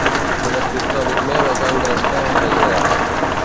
Un escriptor amic meu es va engrescar amb la idea.